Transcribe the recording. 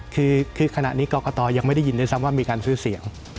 คือขณะนี้กรกตยังไม่ได้ยินด้วยซ้ำว่ามีการซื้อเสียง